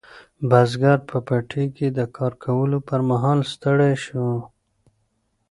بزګر په پټي کې د کار کولو پر مهال ستړی شو.